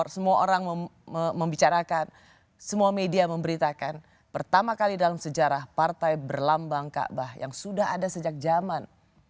semua orang membicarakan semua media memberitakan pertama kali dalam sejarah partai berlambang kaabah yang sudah ada sejak zaman